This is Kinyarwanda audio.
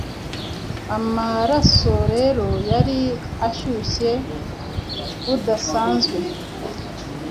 Amaraso rero yari ashyushye budasanzwe